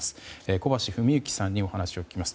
小橋史行さんにお話を聞きます。